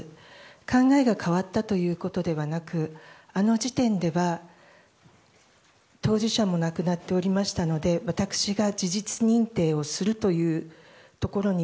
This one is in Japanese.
考えが変わったということではなくあの時点では当事者も亡くなっておりましたので私が事実認定をするというところに